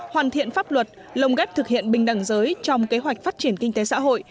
hoàn thiện pháp luật lồng ghép thực hiện bình đẳng giới trong kế hoạch phát triển kinh tế xã hội